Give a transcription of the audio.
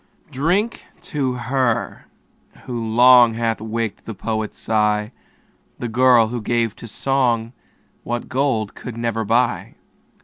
Drink to her, who long, Hath waked the poet's sigh. The girl, who gave to song What gold could never buy.